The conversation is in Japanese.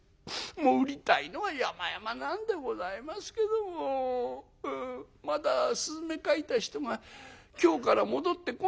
もう売りたいのはやまやまなんでございますけどもうんまだ雀描いた人が京から戻ってこないんですよ。